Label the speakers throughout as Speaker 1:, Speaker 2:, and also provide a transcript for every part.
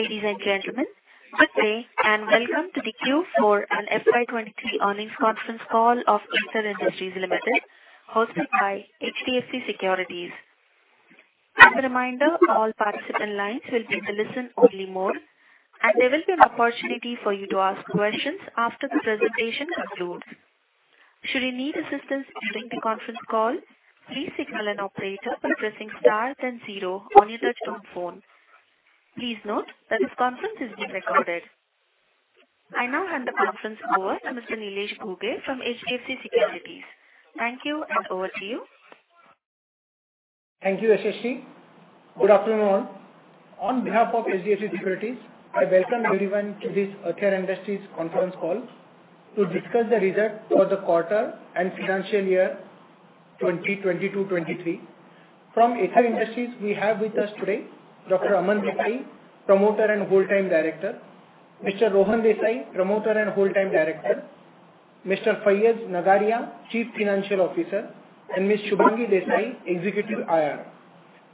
Speaker 1: Ladies and gentlemen, good day and welcome to the Q4 and FY23 earnings conference call of Aether Industries Limited, hosted by HDFC Securities. As a reminder, all participant lines will be muted to listen-only mode, and there will be an opportunity for you to ask questions after the presentation concludes. Should you need assistance during the conference call, please signal an operator by pressing star then zero on your touchtone phone. Please note that this conference is being recorded. I now hand the conference over to Mr. Nilesh Ghuge from HDFC Securities. Thank you, and over to you.
Speaker 2: Thank you, Ashish. Good afternoon all. On behalf of HDFC Securities, I welcome everyone to this Aether Industries conference call to discuss the results for the quarter and financial year 2022-23. From Aether Industries, we have with us today Dr. Aman Desai, Promoter and Whole-Time Director; Mr. Rohan Desai, Promoter and Whole-Time Director; Mr. Faiz Nagariya, Chief Financial Officer; and Ms. Shubhangi Desai, Executive IR.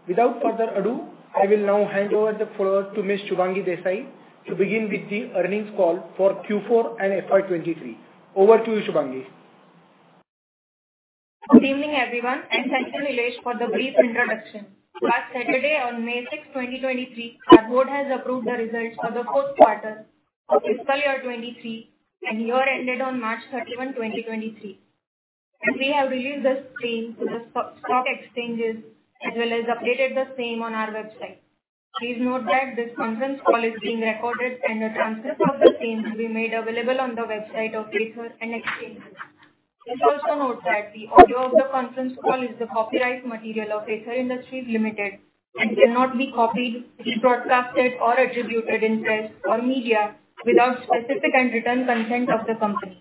Speaker 2: Without further ado, I will now hand over the floor to Ms. Shubhangi Desai to begin with the earnings call for Q4 and FY23. Over to you, Shubhangi.
Speaker 3: Good evening, everyone, and thank you, Nilesh, for the brief introduction. Last Saturday, on May 6, 2023, Board has approved the results for the fourth quarter of fiscal year 2023, and year ended on March 31, 2023. We have released the same to the stock exchanges as well as updated the same on our website. Please note that this conference call is being recorded, and a transcript of the same will be made available on the website of Aether and exchanges. Please also note that the audio of the conference call is the copyright material of Aether Industries Limited and cannot be copied, broadcasted, or attributed in press or media without specific and written consent of the company.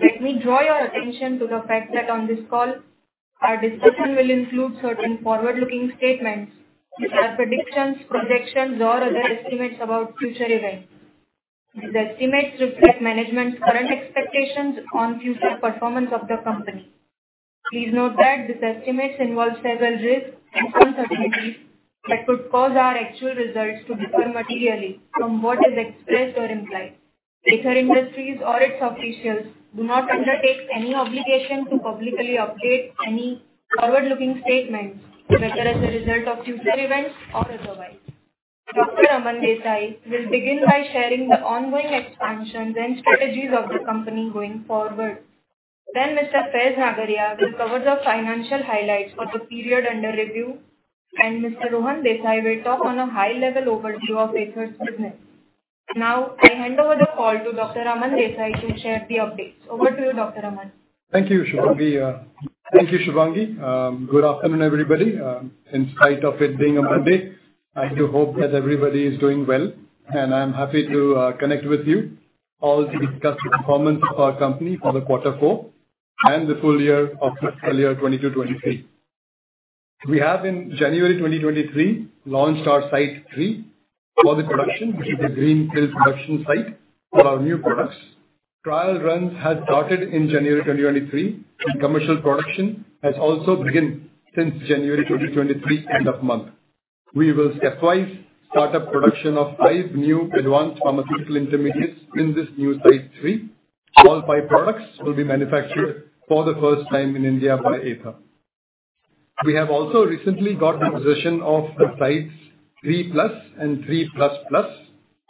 Speaker 3: Let me draw your attention to the fact that on this call, our discussion will include certain forward-looking statements which are predictions, projections, or other estimates about future events. These estimates reflect management's current expectations on future performance of the company. Please note that these estimates involve several risks and uncertainties that could cause our actual results to differ materially from what is expressed or implied. Aether Industries or its officials do not undertake any obligation to publicly update any forward-looking statements, whether as a result of future events or otherwise. Dr. Aman Desai will begin by sharing the ongoing expansions and strategies of the company going forward. Then Mr. Faiz Nagariya will cover the financial highlights for the period under review, and Mr. Rohan Desai will talk on a high-level overview of Aether's business. Now, I hand over the call to Dr. Aman Desai to share the updates. Over to you, Dr. Aman.
Speaker 4: Thank you, Shubhangi. Good afternoon, everybody. In spite of it being a Monday, I do hope that everybody is doing well, and I'm happy to connect with you all to discuss the performance of our company for the quarter four and the full year of fiscal year 2022-23. We have, in January 2023, launched our Site 3 for the production, which is a greenfield production site for our new products. Trial runs have started in January 2023, and commercial production has also begun since January 2023, end of month. We will stepwise start up production of five new advanced pharmaceutical intermediates in this new Site 3. All five products will be manufactured for the first time in India by Aether. We have also recently gotten possession of the Sites 3+ and 3++,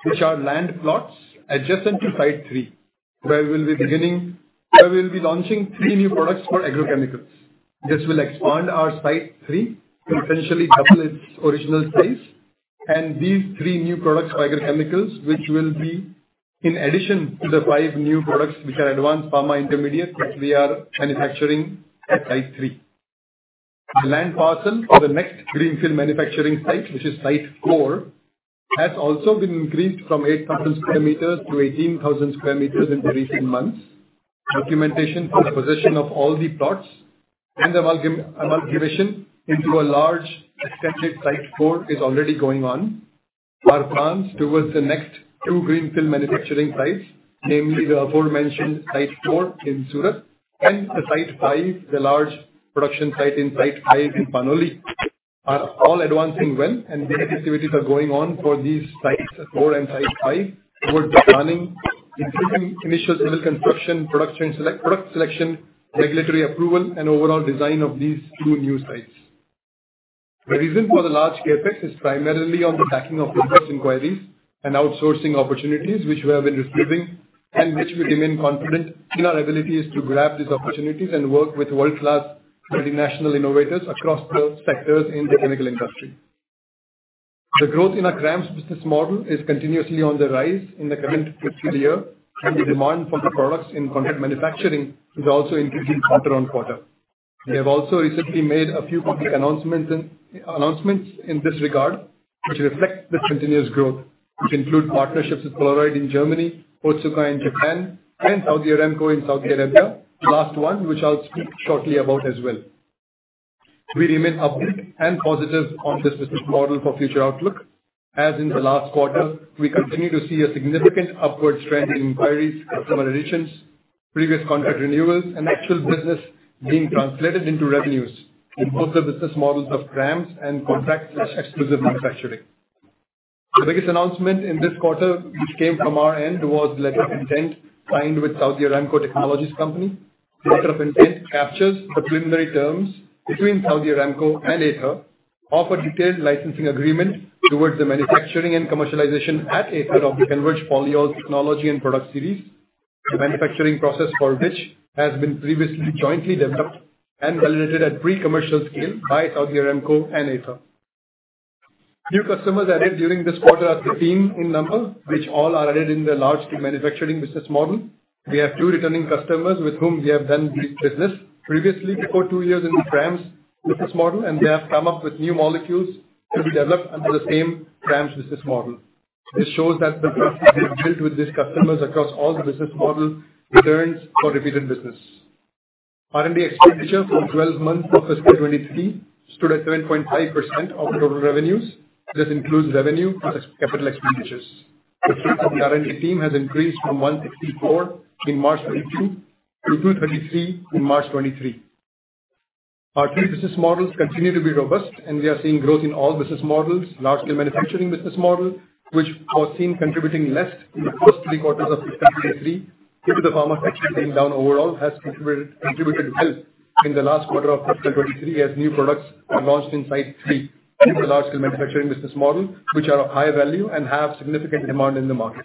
Speaker 4: which are land plots adjacent to Site 3, where we will be launching three new products for agrochemicals. This will expand our Site 3, potentially double its original size, and these three new products for agrochemicals, which will be in addition to the five new products, which are advanced pharma intermediates that we are manufacturing at Site 3. The land parcel for the next greenfield manufacturing site, which is Site 4, has also been increased from 8,000 square meters to 18,000 square meters in the recent months. Documentation for the possession of all the plots and the amalgamation into a large extended Site 4 is already going on. Our plans towards the next two greenfield manufacturing sites, namely the aforementioned Site 4 in Surat and the Site 5, the large production site in Site 5 in Panoli, are all advancing well, and the activities are going on for these Sites 4 and Site 5 towards planning, including initial civil construction, production selection, regulatory approval, and overall design of these two new sites. The reason for the large CapEx is primarily on the backing of investment inquiries and outsourcing opportunities which we have been receiving, and which we remain confident in our abilities to grab these opportunities and work with world-class multinational innovators across the sectors in the chemical industry. The growth in our CRAMS business model is continuously on the rise in the current fiscal year, and the demand for the products in contract manufacturing is also increasing quarter on quarter. We have also recently made a few public announcements in this regard which reflect this continuous growth, which include partnerships with Polaroid in Germany, Otsuka in Japan, and Saudi Aramco in Saudi Arabia, the last one which I'll speak shortly about as well. We remain upbeat and positive on this business model for future outlook, as in the last quarter, we continue to see a significant upward trend in inquiries, customer additions, previous contract renewals, and actual business being translated into revenues in both the business models of CRAMS and contract/exclusive manufacturing. The biggest announcement in this quarter which came from our end was the letter of intent signed with Saudi Aramco Technologies Company. The letter of intent captures the preliminary terms between Saudi Aramco and Aether of a detailed licensing agreement towards the manufacturing and commercialization at Aether of the Converge polyols technology and product series, the manufacturing process for which has been previously jointly developed and validated at pre-commercial scale by Saudi Aramco and Aether. New customers added during this quarter are 15 in number, which all are added in the large-scale manufacturing business model. We have two returning customers with whom we have done this business previously for two years in the CRAMS business model, and they have come up with new molecules to be developed under the same CRAMS business model. This shows that the process we've built with these customers across all the business model returns for repeated business. R&D expenditure for 12 months of fiscal 2023 stood at 7.5% of total revenues. This includes revenue plus capital expenditures. The R&D team has increased from 164 in March 2022 to 233 in March 2023. Our three business models continue to be robust, and we are seeing growth in all business models. Large-scale manufacturing business model, which was seen contributing less in the first three quarters of fiscal 2023 into the pharma sector being down overall, has contributed well in the last quarter of fiscal 2023 as new products are launched in Site 3 in the large-scale manufacturing business model, which are of high value and have significant demand in the market.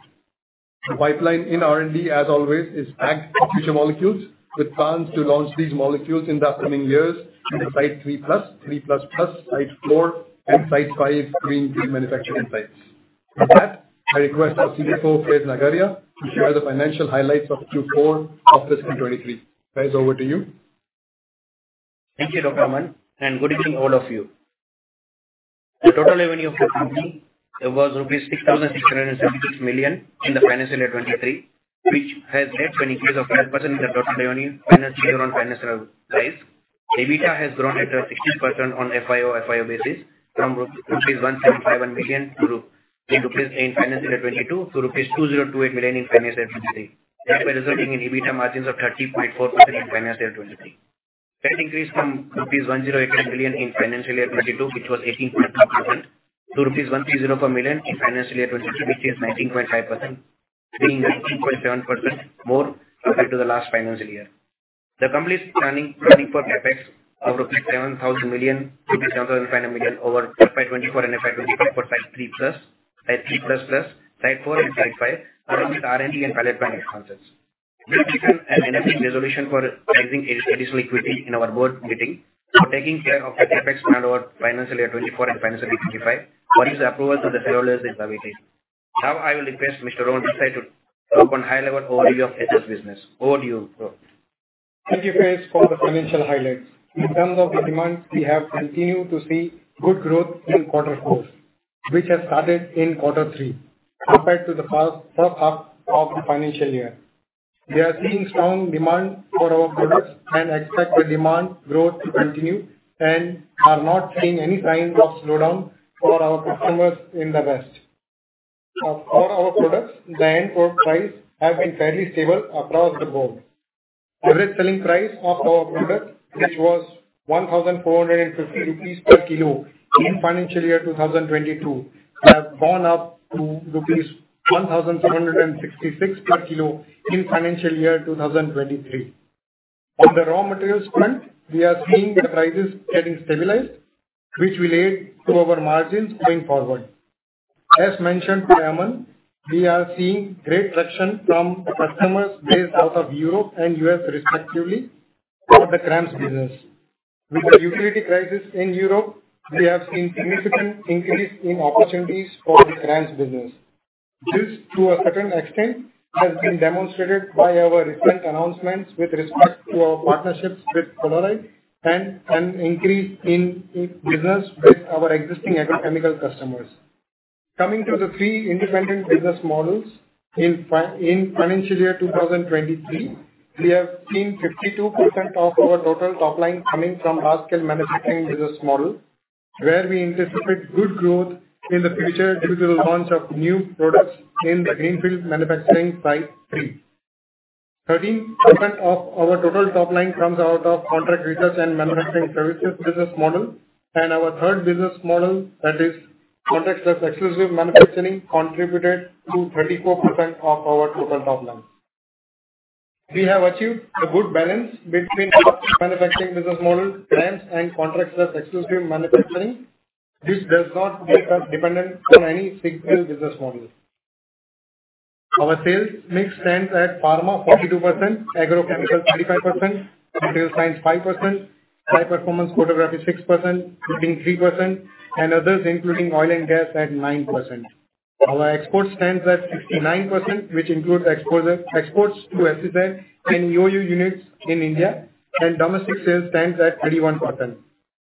Speaker 4: The pipeline in R&D, as always, is packed with future molecules with plans to launch these molecules in the upcoming years in the Site 3+, 3++, Site 4, and Site 5 greenfield manufacturing sites. With that, I request our CFO, Faiz Nagariya, to share the financial highlights of Q4 of fiscal 2023. Faiz, over to you.
Speaker 5: Thank you, Dr. Aman, and good evening all of you. The total revenue of the company was rupees 6,676 million in the financial year 2023, which has led to an increase of 10% in the total revenue financial year-on-year rise. EBITDA has grown at 16% on YoY/YoY basis from 175 million rupees to INR 208 million in financial year 2022 to INR 2,028 million in financial year 2023, thereby resulting in EBITDA margins of 30.4% in financial year 2023. That increase from rupees 108 million in financial year 2022, which was 18.2%, to INR 1,304 million in financial year 2023, which is 19.5%, being 19.7% more compared to the last financial year. The company is planning for Capex of 7,000 million-7,500 million rupees over FY2024 and FY2025 for Site 3+, Site 3++, Site 4, and Site 5, along with R&D and pilot plant expenses. We have written an enabling resolution for raising additional equity in our board meeting for taking care of the Capex plan over financial year 2024 and financial year 2025 for his approval to the SEBI listing submission. Now, I will request Mr. Rohan Desai to talk on a high-level overview of Aether's business. Over to you, bro.
Speaker 6: Thank you, Faiz, for the financial highlights. In terms of the demands, we have continued to see good growth in quarter four, which has started in quarter three compared to the first half of the financial year. We are seeing strong demand for our products and expect the demand growth to continue and are not seeing any signs of slowdown for our customers in the rest. For our products, the end-quarter prices have been fairly stable across the board. Average selling price of our product, which was 1,450 rupees per kilo in financial year 2022, has gone up to rupees 1,766 per kilo in financial year 2023. On the raw materials front, we are seeing the prices getting stabilized, which will aid to our margins going forward. As mentioned by Aman, we are seeing great traction from customers based out of Europe and US, respectively, for the CRAMS business. With the utility crisis in Europe, we have seen a significant increase in opportunities for the CRAMS business. This, to a certain extent, has been demonstrated by our recent announcements with respect to our partnerships with Polaroid and an increase in business with our existing agrochemical customers. Coming to the three independent business models, in financial year 2023, we have seen 52% of our total top line coming from large-scale manufacturing business model, where we anticipate good growth in the future due to the launch of new products in the greenfield manufacturing Site 3. 13% of our total top line comes out of contract research and manufacturing services business model, and our third business model, that is contract/exclusive manufacturing, contributed to 34% of our total top line. We have achieved a good balance between our manufacturing business model, CRAMS, and contract/exclusive manufacturing, which does not make us dependent on any single business model. Our sales mix stands at pharma 42%, agrochemicals 35%, material sciences 5%, high-performance photography 6%, Printing 3%, and others, including oil and gas, at 9%. Our exports stand at 69%, which includes exports to SEZ and EOU units in India, and domestic sales stand at 31%.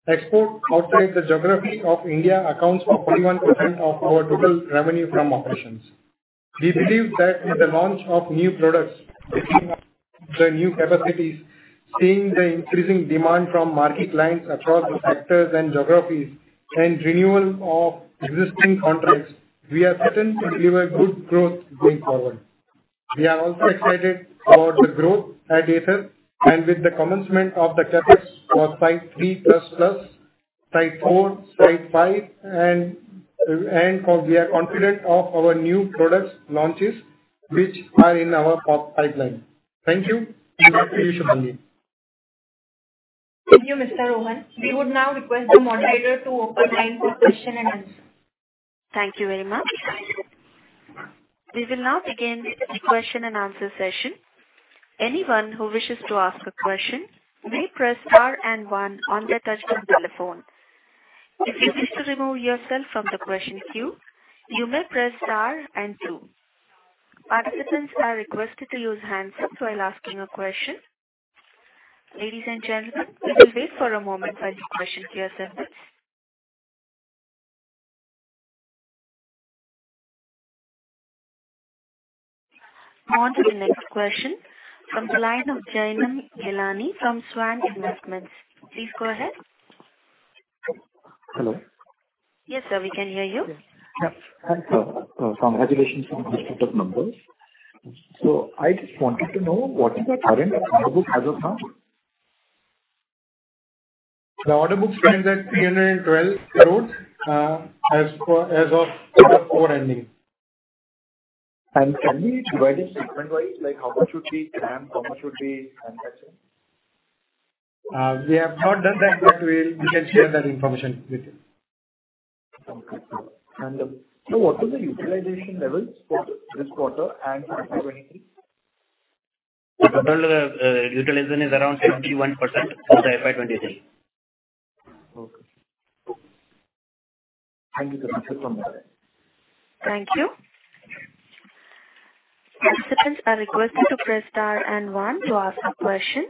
Speaker 6: Export outside the geography of India accounts for 41% of our total revenue from operations. We believe that with the launch of new products between the new capacities, seeing the increasing demand from market clients across the sectors and geographies, and renewal of existing contracts, we are certain to deliver good growth going forward. We are also excited about the growth at Aether and with the commencement of the CapEx for Site 3++, Site 4, Site 5, and we are confident of our new products launches, which are in our pipeline. Thank you.
Speaker 1: Thank you, Mr. Rohan. We would now request the moderator to open line for question and answer. Thank you very much. We will now begin the question and answer session. Anyone who wishes to ask a question may press star and one on their touchscreen telephone. If you wish to remove yourself from the question queue, you may press star and two. Participants are requested to use hands up while asking a question. Ladies and gentlemen, we will wait for a moment while your question queue is sent. On to the next question from the line of Jainam Ghelani from Swan Investments. Please go ahead.
Speaker 7: Hello.
Speaker 1: Yes, sir. We can hear you.
Speaker 7: Yep. Hi, sir. Congratulations on the start of numbers. I just wanted to know, what is the current order book as of now?
Speaker 2: The order book stands at 312 crores as of quarter four ending.
Speaker 7: Can we divide it segment-wise? How much should be CRAMS, how much should be manufacturing?
Speaker 2: We have not done that, but we can share that information with you.
Speaker 7: Fantastic. What are the utilization levels for this quarter and FY23?
Speaker 5: The total utilization is around 71% for the FY 2023.
Speaker 7: Okay. Thank you, sir. Thank you.
Speaker 1: Participants are requested to press star and one to ask a question.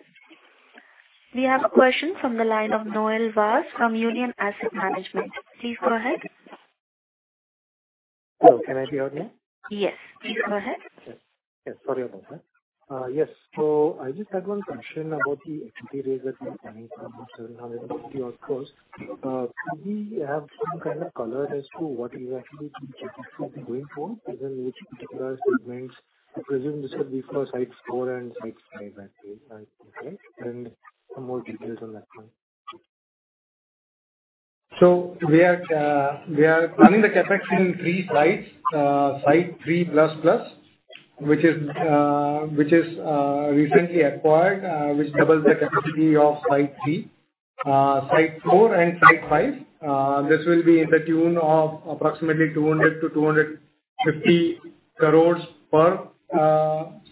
Speaker 1: We have a question from the line of Noel Vaz from Union Asset Management. Please go ahead.
Speaker 8: Hello. Can I hear you?
Speaker 1: Yes. Please go ahead.
Speaker 8: Yes. Yes. Sorry about that. Yes. So I just had one question about the equity raise that we are planning from INR 750 odd crores. Could we have some kind of color as to what exactly the checklist will be going towards within which particular segments? I presume this will be for Site 4 and Site 5, I think, right? And some more details on that one.
Speaker 2: So we are planning the Capex in three sites, Site 3++, which is recently acquired, which doubles the capacity of Site 3, Site 4, and Site 5. This will be to the tune of approximately 200 crores-250 crores per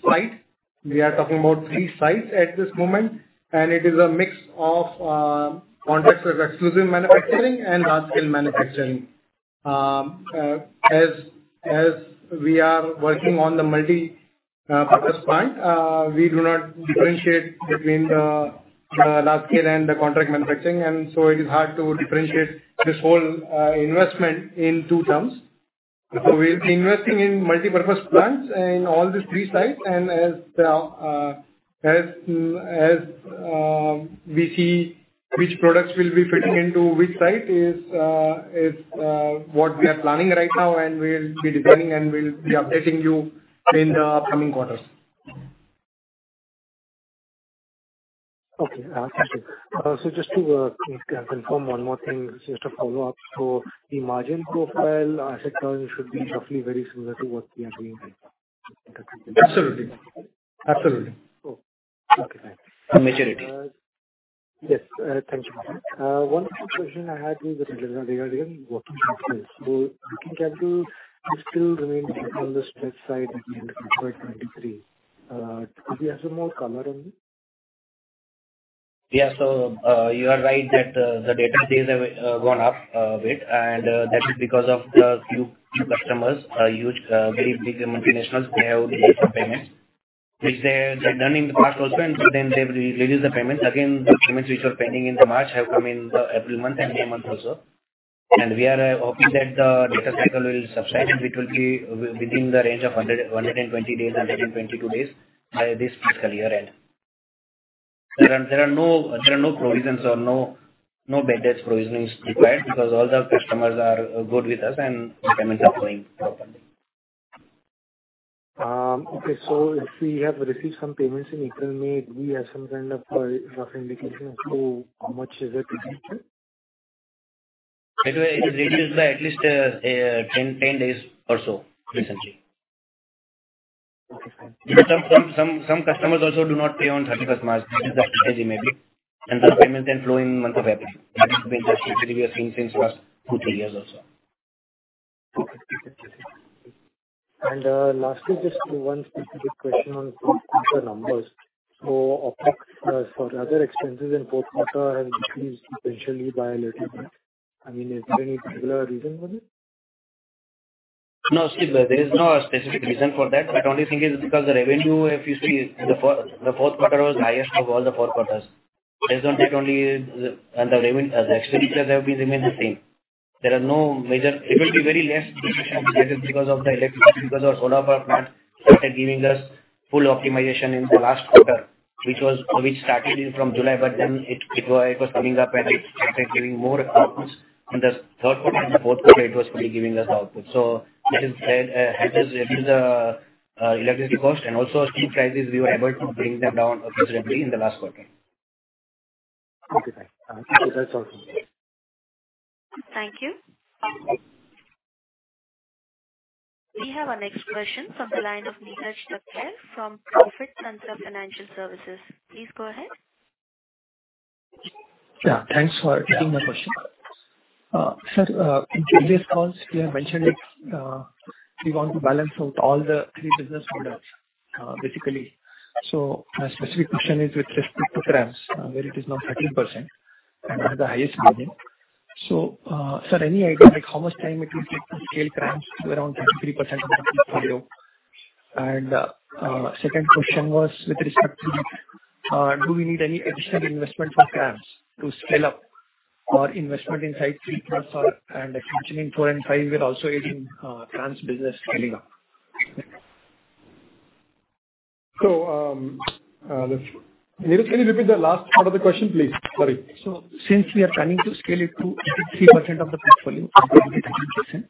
Speaker 2: site. We are talking about three sites at this moment, and it is a mix of contract/exclusive manufacturing and large-scale manufacturing. As we are working on the multipurpose plant, we do not differentiate between the large-scale and the contract manufacturing, and so it is hard to differentiate this whole investment in two terms. So we'll be investing in multipurpose plants in all these three sites, and as we see which products will be Printing into which site is what we are planning right now, and we'll be designing and we'll be updating you in the upcoming quarters.
Speaker 8: Okay. Thank you. So just to confirm one more thing, just a follow-up. So the margin profile asset turn should be roughly very similar to what we are doing right now.
Speaker 2: Absolutely. Absolutely.
Speaker 8: Okay. Thanks.
Speaker 5: Maturity.
Speaker 8: Yes. Thank you. One question I had was that they are working on sales. So looking at capex, it still remains on the steep side at the end of FY23. Could we have some more color on that?
Speaker 5: Yeah. So you are right that the debtor days have gone up a bit, and that is because of the few customers, very big multinationals. They have reduced the payments, which they had done in the past also, and then they reduced the payments. Again, the payments which were pending in March have come in the April month and May month also. And we are hoping that the debtor cycle will subside, and it will be within the range of 120 days, 122 days by this fiscal year end. There are no provisions or no bad debt provisions required because all the customers are good with us, and payments are going properly.
Speaker 8: Okay. So if we have received some payments in April, May, do we have some kind of rough indication as to how much is it reduced to?
Speaker 5: It was reduced by at least 10 days or so recently.
Speaker 8: Okay. Thanks.
Speaker 5: Some customers also do not pay on 31st March. This is the advantage, maybe, and the payments then flow in the month of April. That has been the situation we have seen since last 2, 3 years also.
Speaker 8: Okay. Okay. Okay. And lastly, just one specific question on quarter numbers. So OPEX for other expenses in fourth quarter has decreased potentially by a little bit. I mean, is there any particular reason for that?
Speaker 5: No. See, there is no specific reason for that. I only think it's because the revenue, if you see, the fourth quarter was the highest of all the four quarters. Based on that only, the expenditures have remained the same. There are no major it will be very less decreased because of the electricity because our solar power plant started giving us full optimization in the last quarter, which started from July, but then it was coming up, and it started giving more outputs. In the third quarter and the fourth quarter, it was fully giving us the output. So that has reduced the electricity cost, and also steel prices, we were able to bring them down considerably in the last quarter.
Speaker 8: Okay. Thanks. Thank you. That's all from me.
Speaker 1: Thank you. We have the next question from the line of Neeraj Todi from Profitmart Securities. Please go ahead.
Speaker 9: Yeah. Thanks for taking my question. Sir, in previous calls, we have mentioned that we want to balance out all the 3 business models, basically. So my specific question is with respect to CRAMS, where it is now 13% and has the highest margin. So, sir, any idea how much time it will take to scale CRAMS to around 23% of the portfolio? And the second question was with respect to do we need any additional investment for CRAMS to scale up, or investment in Site 3++ and expansion in 4 and 5 will also aid in CRAMS business scaling up?
Speaker 2: Can you repeat the last part of the question, please? Sorry.
Speaker 9: So since we are planning to scale it to 23% of the portfolio, it will be 13%.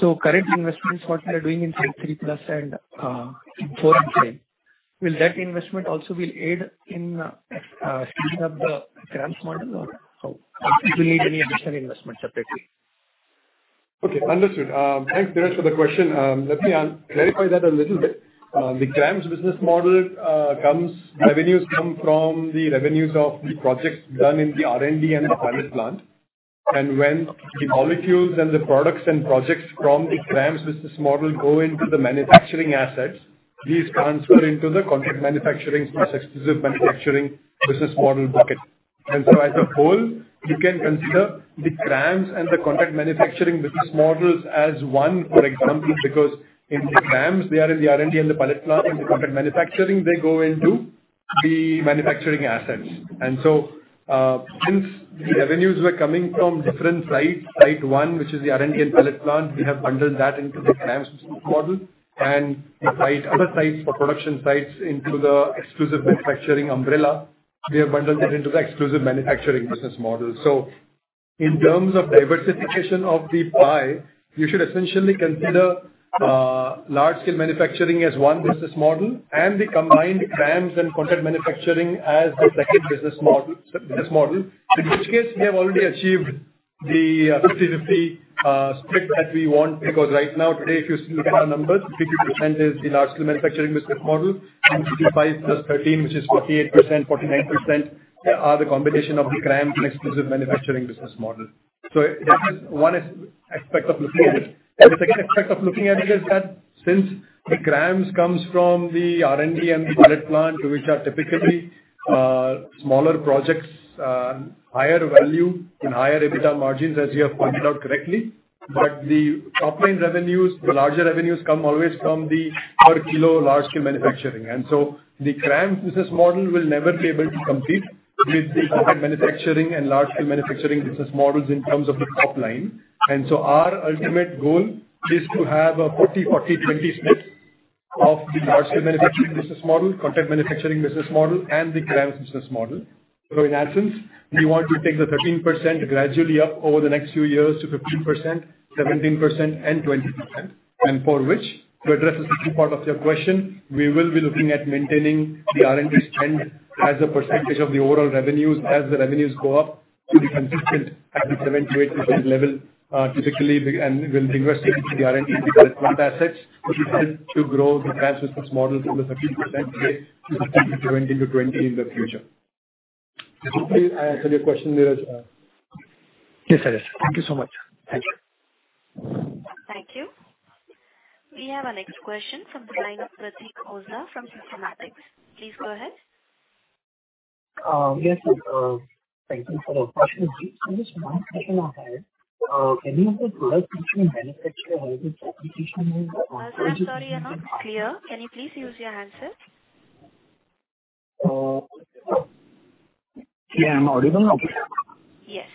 Speaker 9: So current investments, what we are doing in Site 3++ and 4 and 5, will that investment also aid in scaling up the CRAMS model, or how? Or will we need any additional investment separately?
Speaker 2: Okay. Understood. Thanks, Neeraj, for the question. Let me clarify that a little bit. The CRAMS business model comes revenues come from the revenues of the projects done in the R&D and the pilot plant, and when the molecules and the products and projects from the CRAMS business model go into the manufacturing assets, these transfer into the contract manufacturing/exclusive manufacturing business model bucket. And so as a whole, you can consider the CRAMS and the contract manufacturing business models as one, for example, because in the CRAMS, they are in the R&D and the pilot plant, and the contract manufacturing, they go into the manufacturing assets. And so since the revenues were coming from different sites, Site 1, which is the R&D and pilot plant, we have bundled that into the CRAMS business model, and the other sites, for production sites, into the exclusive manufacturing umbrella. We have bundled it into the exclusive manufacturing business model. In terms of diversification of the pie, you should essentially consider large-scale manufacturing as one business model and the combined CRAMS and contract manufacturing as the second business model, in which case we have already achieved the 50/50 split that we want because right now, today, if you look at our numbers, 50% is the large-scale manufacturing business model, and 55 + 13, which is 48%, 49%, are the combination of the CRAMS and exclusive manufacturing business model. That is one aspect of looking at it. The second aspect of looking at it is that since the CRAMS comes from the R&D and the pilot plant, which are typically smaller projects, higher value and higher EBITDA margins, as you have pointed out correctly, but the top-line revenues, the larger revenues come always from the per-kilo large-scale manufacturing. The CRAMS business model will never be able to compete with the contract manufacturing and large-scale manufacturing business models in terms of the top line. Our ultimate goal is to have a 40/40/20 split of the large-scale manufacturing business model, contract manufacturing business model, and the CRAMS business model. In essence, we want to take the 13% gradually up over the next few years to 15%, 17%, and 20%, and for which, to address the second part of your question, we will be looking at maintaining the R&D spend as a percentage of the overall revenues as the revenues go up to be consistent at the 7%-8% level, typically, and will be invested into the R&D and pilot plant assets, which will help to grow the CRAMS business model from the 13% today to 15%-20% in the future. I hope I answered your question, Neeraj.
Speaker 9: Yes, sir. Yes. Thank you so much. Thank you.
Speaker 1: Thank you. We have a next question from the line of Pratik Oza from Systematix. Please go ahead.
Speaker 10: Yes, sir. Thank you for the question. Just one question I had. Any of the products that you manufacture have its application in?
Speaker 1: I'm sorry, I'm not clear. Can you please use your hands up?
Speaker 10: Yeah. I'm audible now.
Speaker 1: Yes.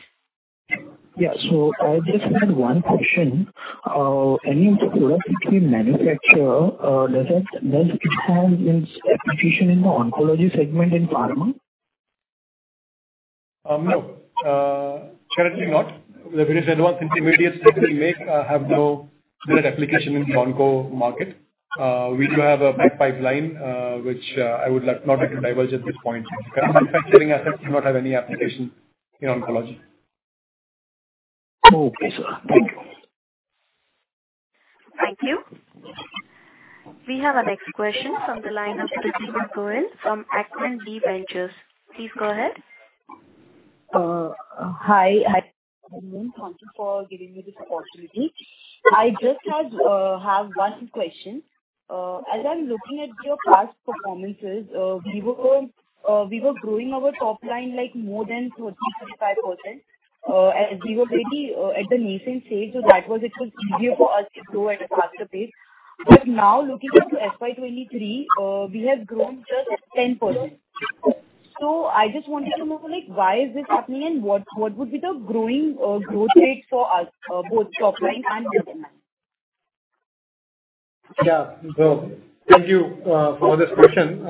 Speaker 10: Yeah. So I just had one question. Any of the products that we manufacture, does it have its application in the oncology segment in pharma?
Speaker 2: No. Currently, not. The various Advanced Intermediates that we make have no direct application in the onco market. We do have a backpipeline, which I would not like to divulge at this point. The manufacturing assets do not have any application in oncology.
Speaker 10: Okay, sir. Thank you.
Speaker 1: Thank you. We have a next question from the line of Pratik Gohil from Akman B Ventures. Please go ahead.
Speaker 11: Hi. Hi, Noel. Thank you for giving me this opportunity. I just have one question. As I'm looking at your past performances, we were growing our top line more than 30%-35% as we were already at the nascent stage, so that it was easier for us to grow at a faster pace. But now, looking at FY23, we have grown just 10%. So I just wanted to know why is this happening, and what would be the growing growth rate for us, both top line and middle line?
Speaker 2: Yeah. So thank you for this question.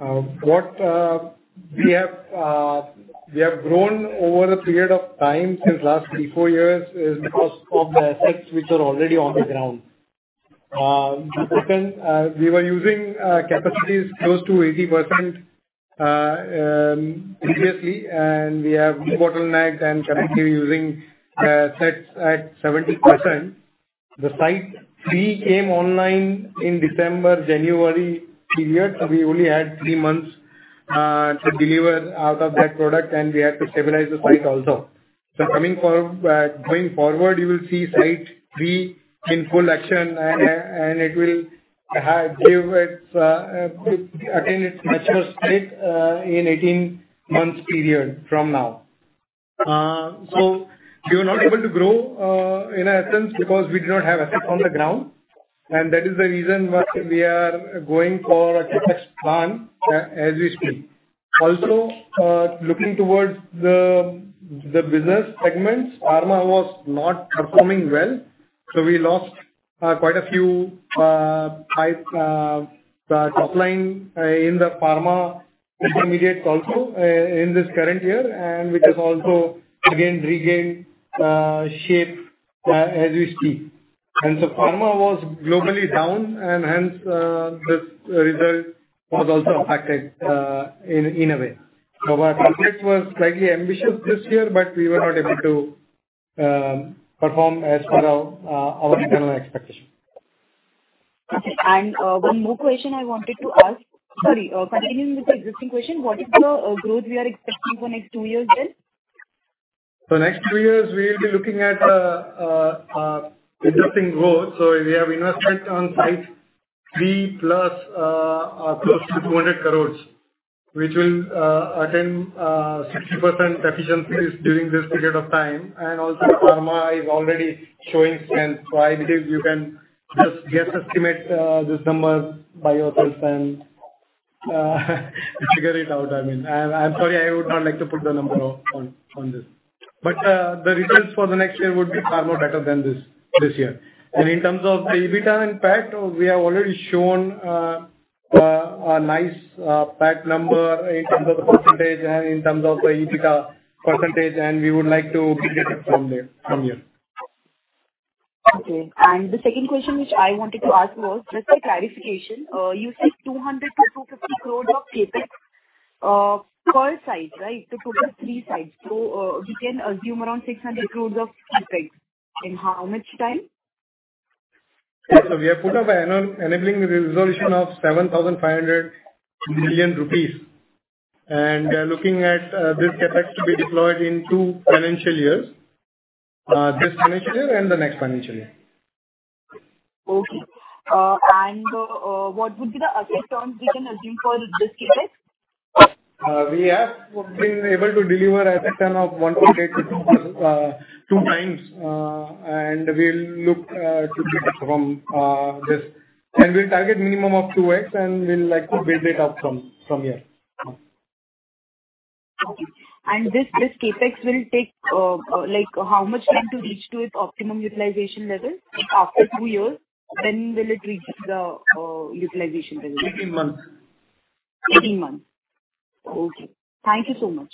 Speaker 2: What we have grown over a period of time since last 3-4 years is because of the assets which are already on the ground. We were using capacities close to 80% previously, and we have bottlenecked and currently using sets at 70%. The Site 3 came online in December, January period. So we only had 3 months to deliver out of that product, and we had to stabilize the site also. So going forward, you will see Site 3 in full action, and it will attain its mature state in an 18-month period from now. So we were not able to grow, in essence, because we did not have assets on the ground, and that is the reason why we are going for a CapEx plan as we speak. Also, looking towards the business segments, pharma was not performing well, so we lost quite a few top line in the pharma intermediates also in this current year, and which has also, again, regained shape as we speak. So pharma was globally down, and hence, this result was also affected in a way. Our targets were slightly ambitious this year, but we were not able to perform as per our internal expectation.
Speaker 11: Okay. One more question I wanted to ask. Sorry. Continuing with the existing question, what is the growth we are expecting for next two years then?
Speaker 2: Next two years, we will be looking at interesting growth. We have investment on Site 3 plus close to 200 crore, which will attain 60% efficiencies during this period of time. Also, pharma is already showing strength. I believe you can just guess, estimate this number by yourself and figure it out. I mean, I'm sorry. I would not like to put the number on this. The results for the next year would be far more better than this year. And in terms of the EBITDA and PAT, we have already shown a nice PAT number in terms of the percentage and in terms of the EBITDA percentage, and we would like to be better from here.
Speaker 11: Okay. The second question which I wanted to ask was just a clarification. You said 200-250 crore of CapEx per site, right, to total 3 sites. So we can assume around 600 crore of CapEx. In how much time?
Speaker 2: Yeah. So we have put up an enabling resolution of 7,500 million rupees, and looking at this CapEx to be deployed in two financial years, this financial year and the next financial year.
Speaker 11: Okay. And what would be the asset turns we can assume for this Capex?
Speaker 2: We have been able to deliver asset turnover of 1.8x-2x, and we'll look to. From this. And we'll target minimum of 2x, and we'll build it up from here.
Speaker 11: Okay. And this Capex will take how much time to reach its optimum utilization level after two years? When will it reach the utilization level?
Speaker 2: 18 months.
Speaker 11: 18 months. Okay. Thank you so much.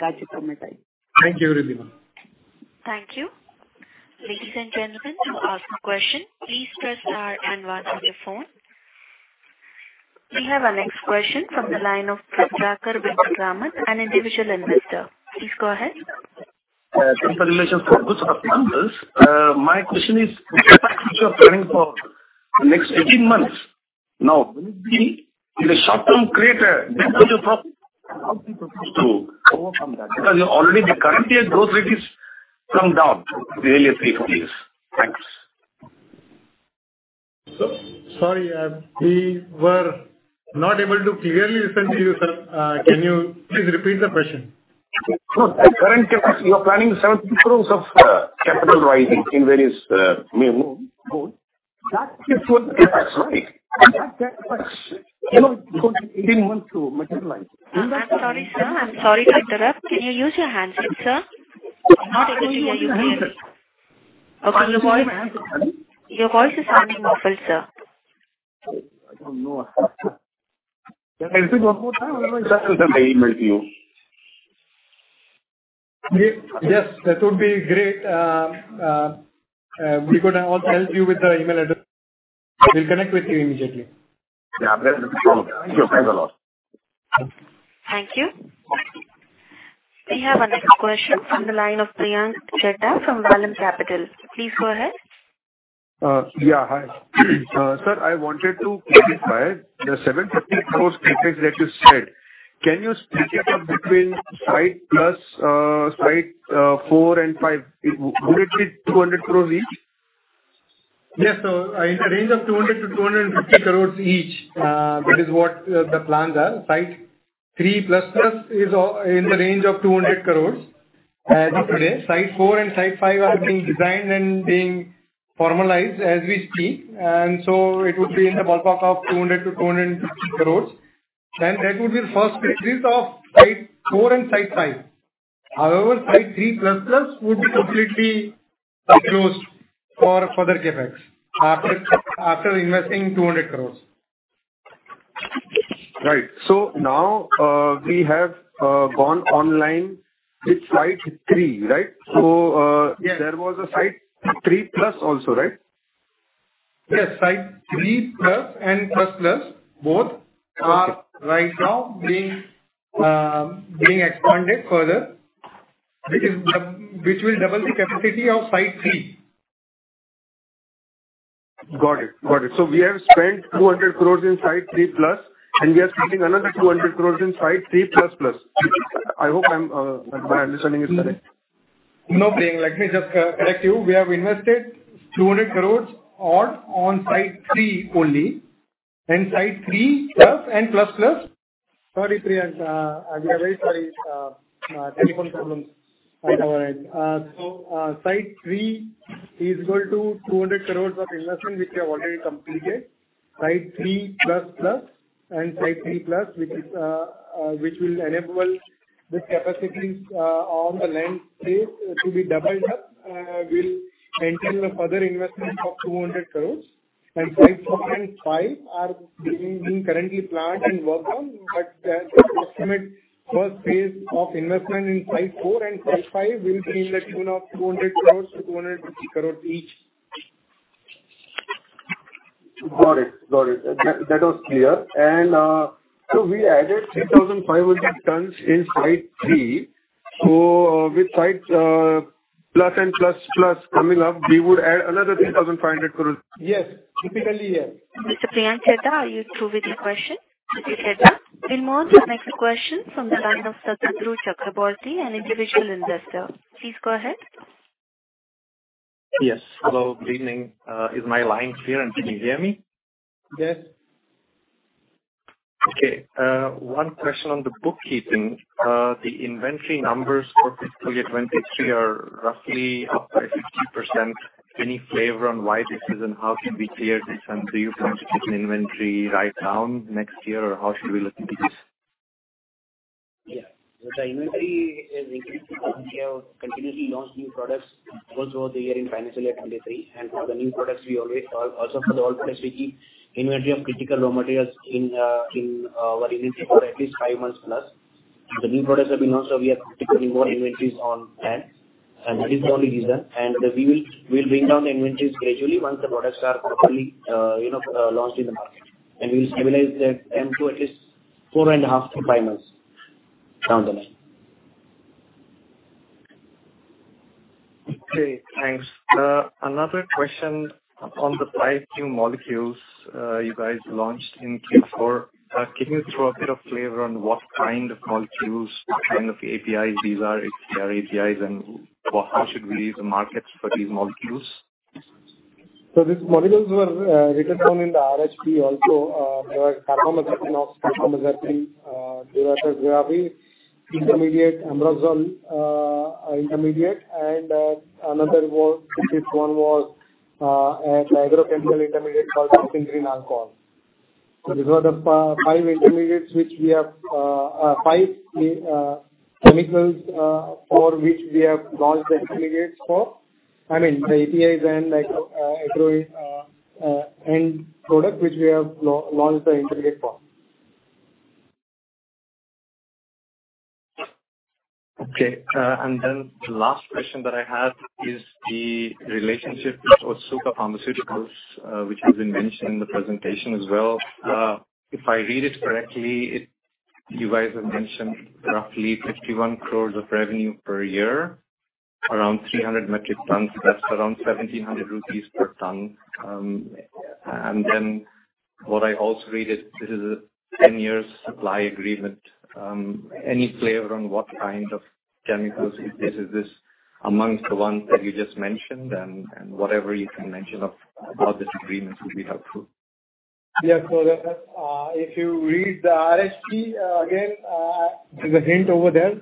Speaker 11: That's it from my side.
Speaker 2: Thank you, Ridhima.
Speaker 1: Thank you. Ladies and gentlemen, to ask a question, please press the button on your phone. We have a next question from the line of Prabhakar Venkatraman, an individual investor. Please go ahead.
Speaker 12: Thanks for the relationship. Good stuff, Noel. My question is, with the CapEx which you are planning for the next 18 months now, will it in the short term create a net profit? How do you propose to overcome that? Because already, the current year growth rate has come down the earlier three, four years. Thanks.
Speaker 2: Sorry. We were not able to clearly listen to you, sir. Can you please repeat the question?
Speaker 12: No. You're planning 70 crore of capital raising in various modes. That gives us CapEx, right? That CapEx, Noel, it's going to take 18 months to materialize.
Speaker 1: I'm sorry, sir. I'm sorry to interrupt. Can you use your handset, sir? I'm not able to hear you clearly. Okay. Your voice is sounding muffled, sir.
Speaker 13: I don't know. Can I repeat one more time? I don't know if I can send the email to you.
Speaker 6: Yes. That would be great. We could also help you with the email address. We'll connect with you immediately.
Speaker 2: Yeah. Thank you. Thanks a lot.
Speaker 1: Thank you. We have a next question from the line of Priyank Chheda from Vallum Capital. Please go ahead.
Speaker 14: Yeah. Hi. Sir, I wanted to clarify the 750 crores CapEx that you said. Can you break it up between Site 3, Site 4 and 5? Would it be 200 crores each?
Speaker 6: Yes. So in the range of 200-250 crore each, that is what the plans are. Site 3++ is in the range of 200 crore as of today. Site 4 and Site 5 are being designed and being formalized as we speak, and so it would be in the ballpark of 200-250 crore. And that would be the first phase of Site 4 and Site 5. However, Site 3++ would be completely closed for further CapEx after investing 200 crore.
Speaker 2: Right. So now we have gone online with Site 3, right? So there was a Site 3+ also, right?
Speaker 6: Yes. Site 3+ and ++ both are right now being expanded further, which will double the capacity of Site 3.
Speaker 2: Got it. Got it. So we have spent 200 crores in Site 3+, and we are spending another 200 crores in Site 3++. I hope my understanding is correct.
Speaker 6: No, Priyank. Let me just correct you. We have invested 200 crore odd on site 3 only, and site 3+ and ++. Sorry, Priyank. We are very sorry. Telephone problems. All right. So site 3 is equal to 200 crore of investment which we have already completed. Site 3++ and site 3+, which will enable this capacity on the land space to be doubled up, will entail further investment of 200 crore. And site 4 and 5 are being currently planned and worked on, but the estimate first phase of investment in site 4 and site 5 will be in the tune of 200 crore-250 crore each.
Speaker 2: Got it. Got it. That was clear. So we added 3,500 tons in Site 3. With Site 4 and Site 5 coming up, we would add another 3,500 tons.
Speaker 6: Yes. Typically, yes.
Speaker 1: Mr. Priyank Chheda, are you through with your question? Mr. Chheda, we'll move to the next question from the line of Santanu Chakraborty, an individual investor. Please go ahead.
Speaker 15: Yes. Hello. Good evening. Is my line clear, and can you hear me?
Speaker 6: Yes.
Speaker 15: Okay. One question on the bookkeeping. The inventory numbers for fiscal year 2023 are roughly up by 50%. Any flavor on why this is, and how can we clear this? And do you plan to keep an inventory right now next year, or how should we look into this?
Speaker 6: Yes. The inventory is increasing because we have continuously launched new products all throughout the year in financial year 2023. For the new products, also for the old products, we keep inventory of critical raw materials in our inventory for at least five months plus. The new products have been launched, so we are putting more inventories on plan. That is the only reason. We will bring down the inventories gradually once the products are properly launched in the market. We will stabilize them to at least four and a half to five months down the line.
Speaker 15: Okay. Thanks. Another question on the five new molecules you guys launched in Q4. Can you throw a bit of flavor on what kind of molecules, what kind of APIs these are? If they are APIs, then how should we use the markets for these molecules?
Speaker 6: So these molecules were written down in the RHP also. They are Carbamazepine, Oxcarbazepine, Dolutegravir, Brivaracetam, Ambroxol intermediate, and another one was an agrochemical intermediate called Oxirane Alcohol. So these were the five intermediates which we have five chemicals for which we have launched the intermediates for. I mean, the APIs and end product which we have launched the intermediate for.
Speaker 15: Okay. And then the last question that I have is the relationship with Otsuka Pharmaceuticals, which has been mentioned in the presentation as well. If I read it correctly, you guys have mentioned roughly 51 crore of revenue per year, around 300 metric tons. That's around 1,700 rupees per ton. And then what I also read is this is a 10-year supply agreement. Any flavor on what kind of chemicals is this amongst the ones that you just mentioned? And whatever you can mention about this agreement would be helpful.
Speaker 6: Yeah. So if you read the RHP, again, there's a hint over there.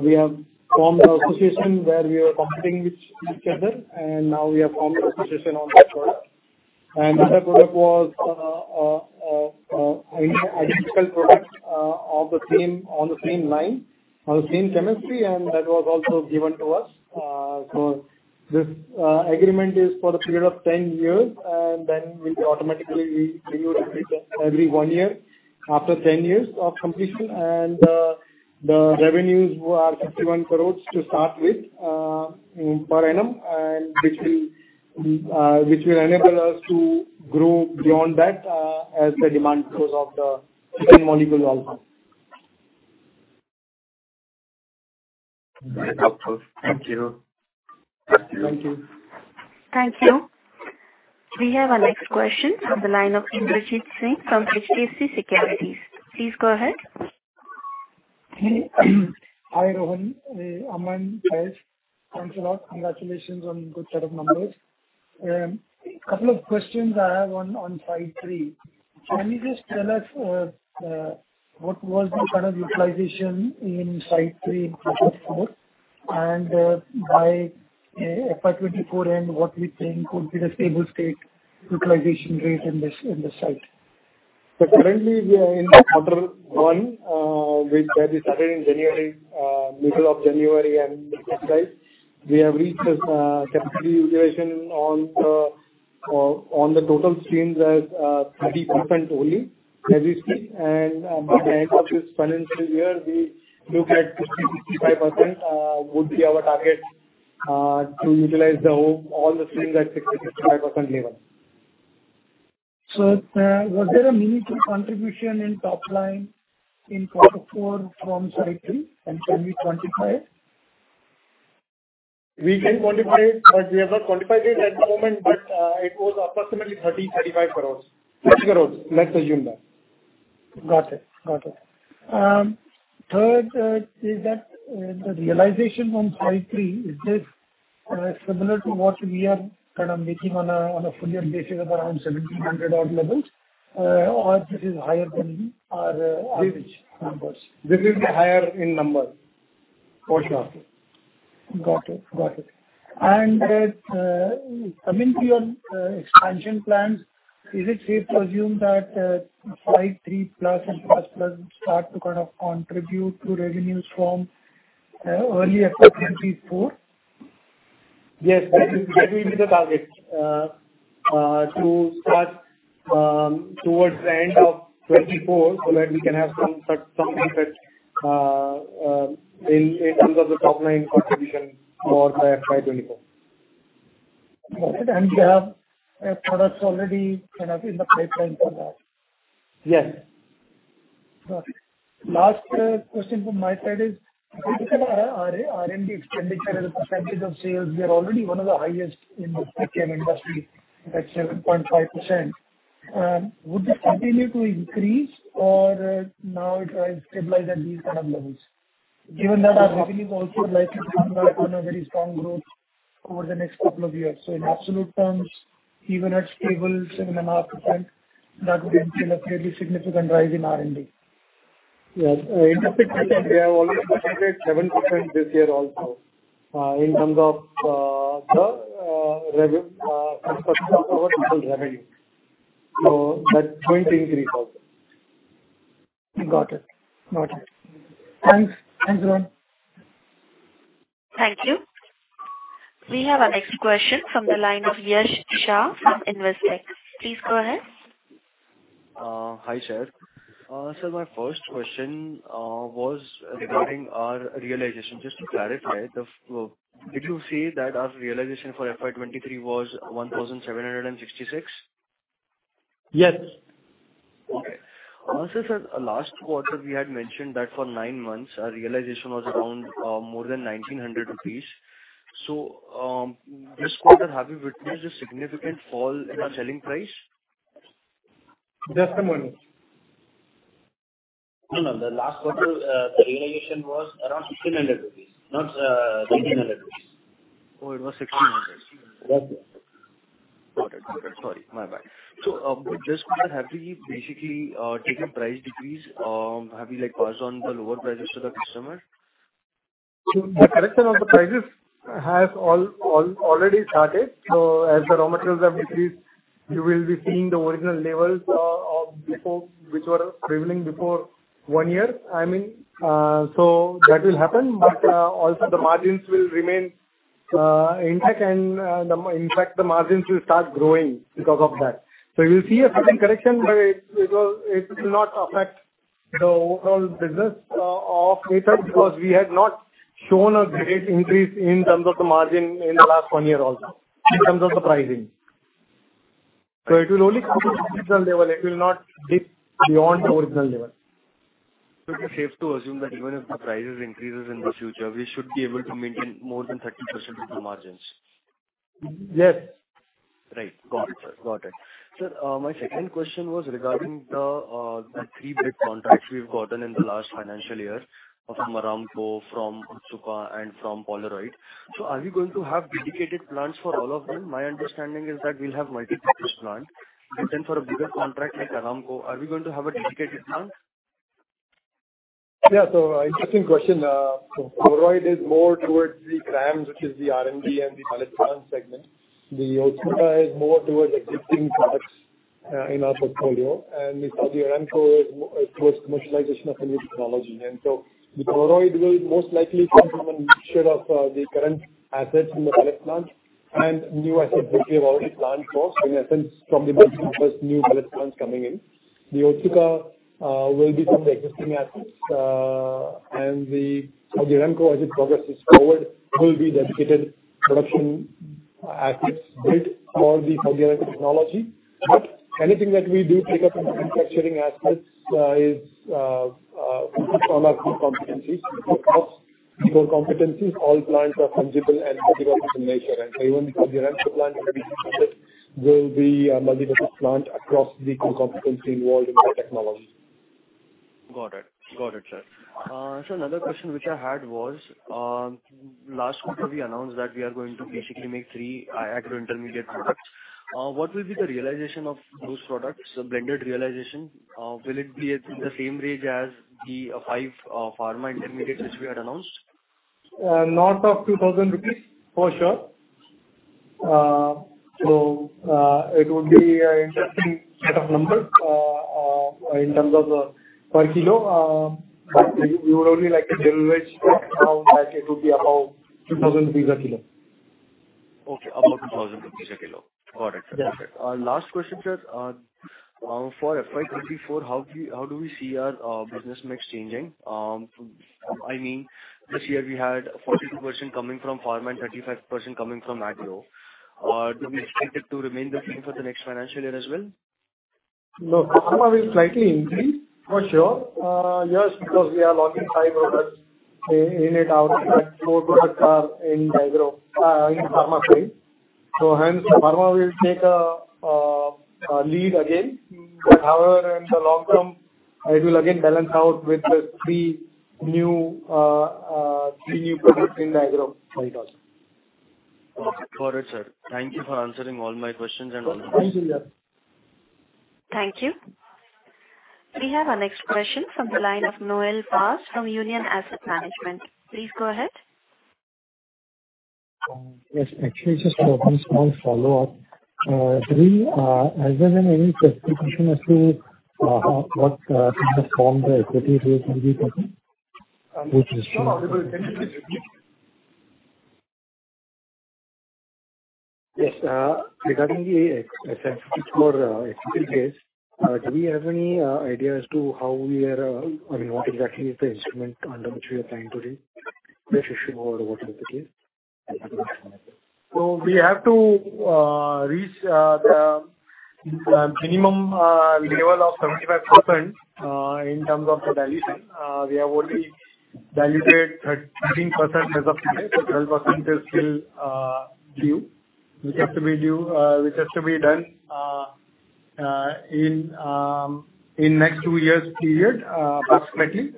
Speaker 6: We have formed an association where we were competing with each other, and now we have formed an association on that product. And that product was an identical product on the same line, on the same chemistry, and that was also given to us. So this agreement is for the period of 10 years, and then we'll automatically renew it every 1 year after 10 years of completion. And the revenues are 51 crores to start with per annum, which will enable us to grow beyond that as the demand grows of the chiral molecule also.
Speaker 15: Very helpful. Thank you.
Speaker 6: Thank you.
Speaker 1: Thank you. We have a next question from the line of Indrajit Singh from HDFC Securities. Please go ahead.
Speaker 16: Hi, Rohan. Aman Pesh, thanks a lot. Congratulations on a good set of numbers. A couple of questions I have on site 3. Can you just tell us what was the kind of utilization in site 3 and site 4, and by FY2024 end, what we think would be the stable state utilization rate in the site?
Speaker 6: So currently, we are in quarter one, which we started in January, middle of January, and we have reached the capacity utilization on the total streams as 30% only as we speak. By the end of this financial year, we look at 50%-55% would be our target to utilize all the streams at 60%-65% level.
Speaker 16: Was there a minute contribution in top line in quarter four from site 3? Can we quantify it?
Speaker 6: We can quantify it, but we have not quantified it at the moment. But it was approximately 30-35 crore. 30 crore. Let's assume that.
Speaker 16: Got it. Got it. Third, is the realization on site 3, is this similar to what we are kind of making on a full-year basis at around 1,700 odd levels, or this is higher than our average numbers?
Speaker 6: This is higher in numbers, for sure.
Speaker 16: Got it. Got it. And coming to your expansion plans, is it safe to assume that site 3+ and ++ start to kind of contribute to revenues from early FY24?
Speaker 6: Yes. That will be the target to start towards the end of 2024 so that we can have something in terms of the top line contribution for FY2024.
Speaker 16: Got it. And you have products already kind of in the pipeline for that?
Speaker 6: Yes.
Speaker 16: Got it. Last question from my side is, if we consider R&D expenditure as a percentage of sales, we are already one of the highest in the ITM industry at 7.5%. Would this continue to increase, or now it has stabilized at these kind of levels? Given that our revenues also are likely to come back on a very strong growth over the next couple of years, so in absolute terms, even at stable 7.5%, that would entail a fairly significant rise in R&D.
Speaker 6: Yes. Indeed, we have already achieved 7% this year also in terms of our total revenue. So that's going to increase also.
Speaker 16: Got it. Got it. Thanks. Thanks, Rohan.
Speaker 1: Thank you. We have a next question from the line of Yash Shah from Investec. Please go ahead.
Speaker 17: Hi, Sher. Sir, my first question was regarding our realization. Just to clarify, did you say that our realization for FY23 was 1,766?
Speaker 6: Yes.
Speaker 17: Okay. Sir, last quarter, we had mentioned that for nine months, our realization was around more than 1,900 rupees. So this quarter, have you witnessed a significant fall in our selling price?
Speaker 6: Just a moment. No, no. The last quarter, the realization was around 1,600 rupees, not 1,300 rupees.
Speaker 17: Oh, it was 1,600.
Speaker 6: Yes.
Speaker 17: Got it. Got it. Sorry. My bad. So this quarter, have we basically taken price decrease? Have we passed on the lower prices to the customer?
Speaker 6: The correction of the prices has already started. So as the raw materials have decreased, you will be seeing the original levels which were prevailing before one year. I mean, so that will happen. But also, the margins will remain intact. And in fact, the margins will start growing because of that. So you will see a certain correction, but it will not affect the overall business of Aether because we had not shown a great increase in terms of the margin in the last one year also in terms of the pricing. So it will only come to the original level. It will not dip beyond the original level.
Speaker 17: So it's safe to assume that even if the prices increase in the future, we should be able to maintain more than 30% of the margins?
Speaker 6: Yes.
Speaker 17: Right. Got it, sir. Got it. Sir, my second question was regarding the three big contracts we've gotten in the last financial year from Aramco, from Otsuka, and from Polaroid. So are we going to have dedicated plants for all of them? My understanding is that we'll have multipurpose plants. But then for a bigger contract like Aramco, are we going to have a dedicated plant?
Speaker 6: Yeah. So interesting question. Polaroid is more towards the CRAMS, which is the R&D and the pilot plant segment. The Otsuka is more towards existing products in our portfolio. And we see the Aramco is towards commercialization of new technology. And so the Polaroid will most likely come from a mixture of the current assets in the pilot plant and new assets which we have already planned for, in essence, from the multiple first new pilot plants coming in. The Otsuka will be from the existing assets. And as the Aramco, as it progresses forward, will be dedicated production assets built for the technology. But anything that we do pick up in manufacturing assets is from our core competencies. So across the core competencies, all plants are fungible and multi-purpose in nature. And so even the Aramco plant will be multi-purpose plant across the core competency involved in the technology.
Speaker 17: Got it. Got it, sir. Sir, another question which I had was, last quarter, we announced that we are going to basically make three agrochemical intermediate products. What will be the realization of those products, the blended realization? Will it be in the same range as the five pharma intermediates which we had announced?
Speaker 6: North of 2,000 rupees, for sure. So it would be an interesting set of numbers in terms of per kilo. But we would only like to leverage now that it would be about 2,000 rupees a kilo.
Speaker 17: Okay. About 2,000 rupees a kilo. Got it, sir. Last question, sir. For FY2024, how do we see our business mix changing? I mean, this year, we had 42% coming from pharma and 35% coming from agro. Do we expect it to remain the same for the next financial year as well?
Speaker 6: No. Pharma will slightly increase, for sure. Yes, because we are launching 5 products in it out. That 4 products are in pharma space. So hence, pharma will take a lead again. But however, in the long term, it will again balance out with the 3 new products in agro for it also.
Speaker 17: Got it, sir. Thank you for answering all my questions and all the questions.
Speaker 6: Thank you, yes.
Speaker 1: Thank you. We have a next question from the line of Noel Vaz from Union Asset Management. Please go ahead.
Speaker 8: Yes. Actually, just one small follow-up. Do we, as there isn't any specification as to what kind of form the equity rate will be taken, which instrument?
Speaker 6: Yes. Regarding the sensitivity for equity case, do we have any idea as to how we are—I mean, what exactly is the instrument under which we are planning to do? Which issue, or what is the case? So we have to reach the minimum level of 75% in terms of the dilution. We have only diluted 13% as of today. So 12% is still due, which has to be due which has to be done in the next two years' period, approximately.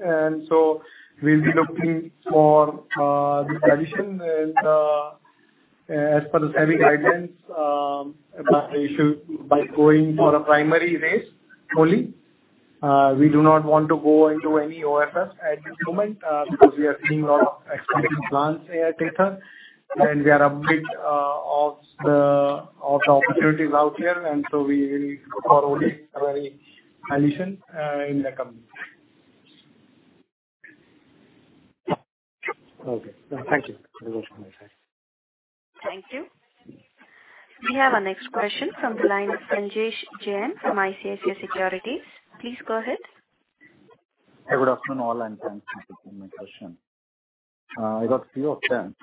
Speaker 6: And so we'll be looking for the dilution. And as for the saving guidelines about the issue by going for a primary raise only, we do not want to go into any OFFs at this moment because we are seeing a lot of expensive plants at Aether. And we are a bit of the opportunities out here. We will look for only a very dilution in the coming year.
Speaker 8: Okay. Thank you. That was my side.
Speaker 1: Thank you. We have a next question from the line of Sanjay Jain from ICICI Securities. Please go ahead.
Speaker 18: Have a good afternoon, all, and thanks for taking my question. I got a few of them.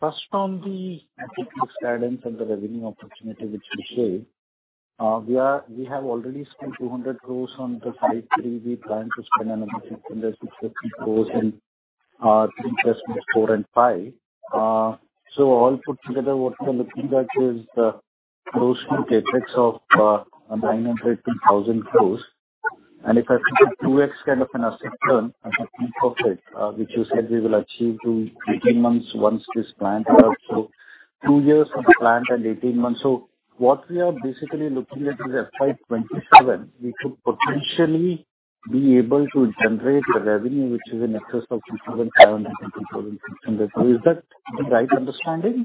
Speaker 18: First, on the equity guidance and the revenue opportunity which we share, we have already spent 200 crore on the Site 3. We plan to spend another 650 crore in our Sites 4 and 5. So all put together, what we're looking at is the gross income capex of 900 crore-1,000 crore. And if I put the 2x kind of an asset turn, I put the profit, which you said we will achieve through 18 months once this plant is up. So two years for the plant and 18 months. So what we are basically looking at is FY27, we could potentially be able to generate a revenue which is in excess of 2,500 crore-2,600 crore. So is that the right understanding?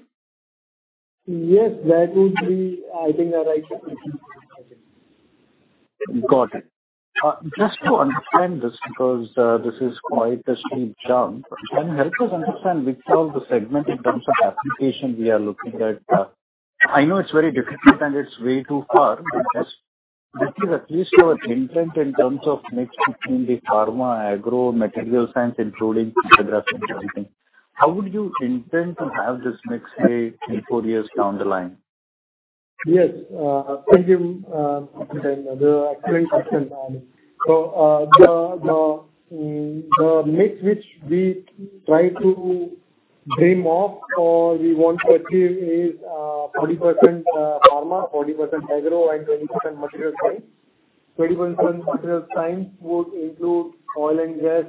Speaker 6: Yes. That would be, I think, the right understanding.
Speaker 18: Got it. Just to understand this because this is quite a steep jump, can you help us understand which are the segments in terms of application we are looking at? I know it's very difficult, and it's way too far. But this is at least our intent in terms of mix between the pharma, agro, material science, including photographic printing. How would you intend to have this mix here in four years down the line?
Speaker 6: Yes. Thank you for the explaining question. So the mix which we try to dream of or we want to achieve is 40% pharma, 40% agro, and 20% material science. 20% material science would include oil and gas,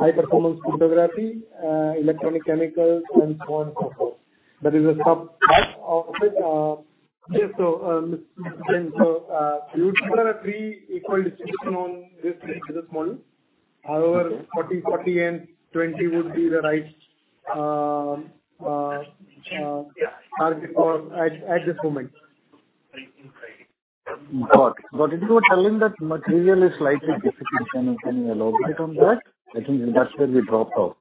Speaker 6: high-performance photography, electronic chemicals, and so on and so forth. That is a subpart of it. Yes. So we would have a three-equal distribution on this business model. However, 40, 40, and 20 would be the right target at this moment.
Speaker 18: Got it. Got it. You were telling that material is slightly difficult. Can you elaborate on that? I think that's where we dropped off.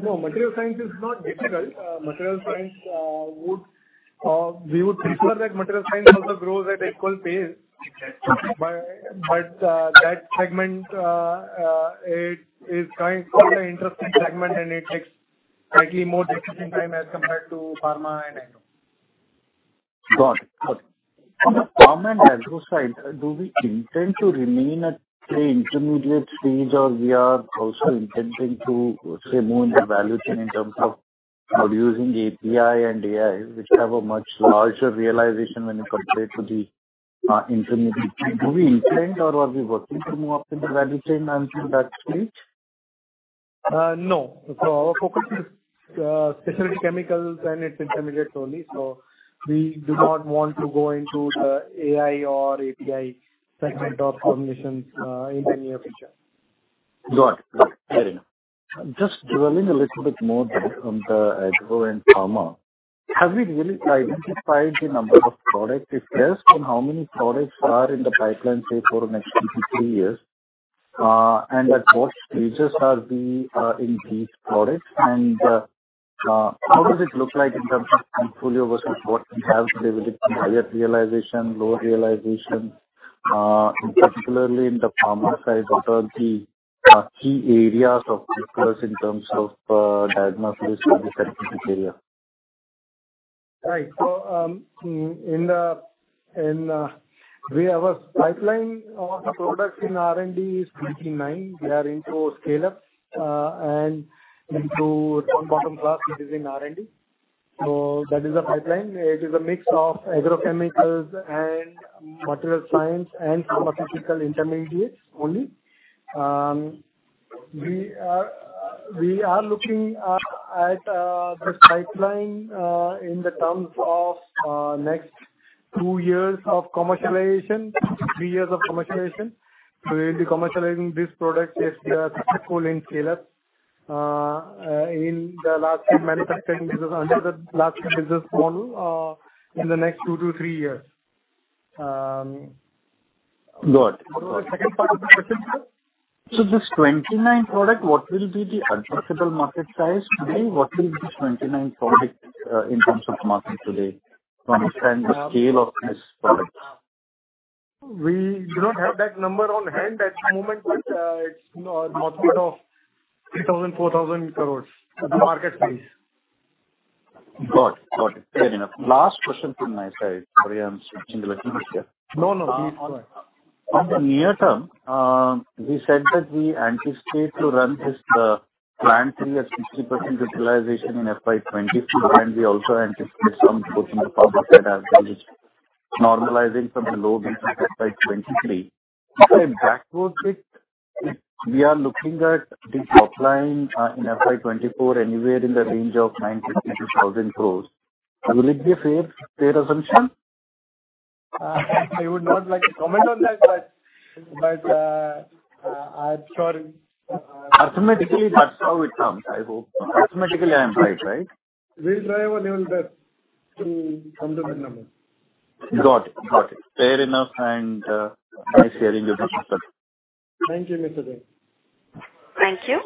Speaker 6: No. Material science is not difficult. Material science, we would prefer that material science also grows at equal pace. But that segment, it is quite an interesting segment, and it takes slightly more decision time as compared to pharma and agro.
Speaker 18: Got it. Got it. On the pharma and agro side, do we intend to remain at the intermediate stage, or we are also intending to, say, move into value chain in terms of producing API and AI, which have a much larger realization when you compare to the intermediate? Do we intend, or are we working to move up into value chain until that stage?
Speaker 6: No. So our focus is specialty chemicals, and it's intermediate only. So we do not want to go into the AI or API segment of combinations in the near future.
Speaker 18: Got it. Got it. Fair enough. Just dwelling a little bit more on the agro and pharma, have we really identified the number of products? If yes, then how many products are in the pipeline, say, for the next 2-3 years? And at what stages are we in these products? And how does it look like in terms of portfolio versus what we have? Do we have a higher realization, lower realization, particularly in the pharma side? What are the key areas of focus in terms of diagnostics of the scientific area?
Speaker 6: Right. So our pipeline of products in R&D is 29. We are into scale-up and into bottle scale, which is in R&D. So that is the pipeline. It is a mix of agrochemicals and material sciences and pharmaceutical intermediates only. We are looking at this pipeline in the terms of next two years of commercialization, three years of commercialization. So we'll be commercializing these products if we are successful in scale-up in the last few manufacturing business under the last few business models in the next two to three years.
Speaker 18: Got it.
Speaker 6: What was the second part of the question, sir?
Speaker 18: This 29 product, what will be the addressable market size today? What will be this 29 product in terms of market today to understand the scale of this product?
Speaker 6: We do not have that number on hand at the moment, but it's north of 3,000-4,000 crores at the marketplace.
Speaker 18: Got it. Got it. Fair enough. Last question from my side. Sorry, I'm switching the latency here.
Speaker 6: No, no. Please go ahead.
Speaker 18: On the near term, we said that we anticipate to run the plant 3 at 60% utilization in FY24. We also anticipate some support from the pharma side as well, which is normalizing from the low base of FY23. If I backward it, we are looking at the top line in FY24 anywhere in the range of 950-1,000 crore. Will it be a fair assumption?
Speaker 6: I would not like to comment on that, but I'm sure.
Speaker 18: Arithmetically, that's how it comes, I hope. Arithmetically, I am right, right?
Speaker 6: We'll try our little best to come to that number.
Speaker 18: Got it. Got it. Fair enough. And nice hearing your question, sir.
Speaker 6: Thank you, Mr. Jain.
Speaker 1: Thank you.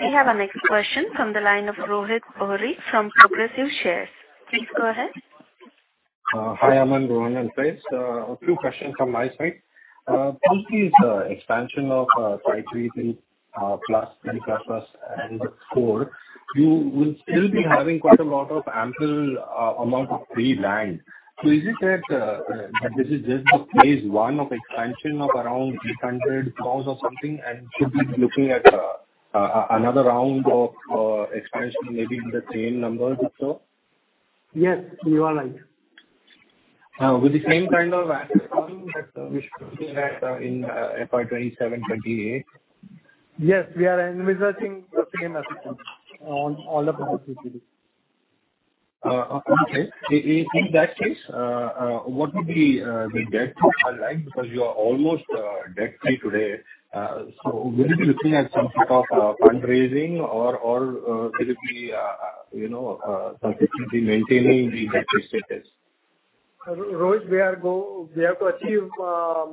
Speaker 1: We have a next question from the line of Rohit Ohri from Progressive Shares. Please go ahead.
Speaker 19: Hi, Aman. Good morning, sir. A few questions from my side. Post this expansion of site 3, 3+, 3++, and 4, you will still be having quite a lot of ample amount of free land. So is it that this is just the phase one of expansion of around 800,000 or something? And should we be looking at another round of expansion maybe in the same numbers if so?
Speaker 4: Yes. You are right.
Speaker 19: With the same kind of asset fund that we should be looking at in FY 2027, 2028?
Speaker 4: Yes. We are envisaging the same asset turnover on all the products we produce.
Speaker 19: Okay. In that case, what would be the debt? I ask because you are almost debt-free today. So will you be looking at some sort of fundraising, or will it be sufficiently maintaining the debt-free status?
Speaker 4: Rohit, we have to achieve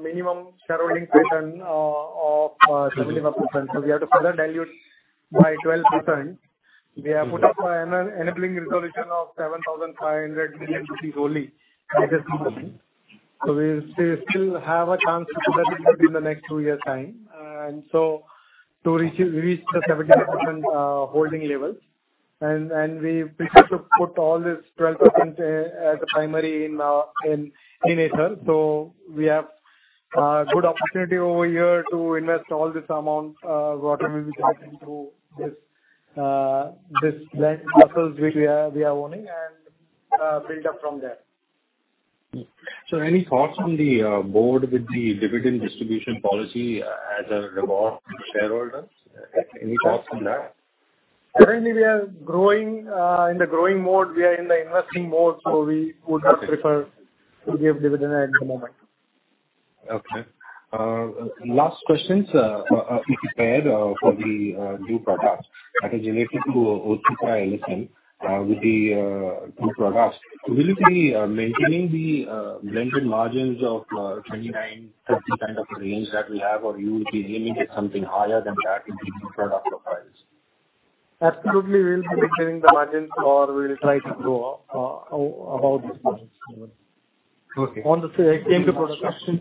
Speaker 4: minimum shareholding quota of 75%. So we have to further dilute by 12%. We have put up an enabling resolution of 7,500 million rupees only at this moment. So we still have a chance to do that in the next two years' time. And so to reach the 75% holding level. And we prefer to put all this 12% as a primary in Aether. So we have a good opportunity over here to invest all this amount, whatever we can do through these land parcels which we are owning, and build up from there.
Speaker 19: Any thoughts on the board with the dividend distribution policy as a reward to shareholders? Any thoughts on that?
Speaker 4: Currently, we are in the growing mode. We are in the investing mode. We would not prefer to give dividend at the moment.
Speaker 19: Okay. Last questions, if you could, for the new products that are related to OTPI LSM with the new products. Will you be maintaining the blended margins of 29%-30% kind of range that we have, or you will be aiming at something higher than that with the new product profiles?
Speaker 4: Absolutely. We'll be maintaining the margins, or we'll try to go above this margin. On the same product options.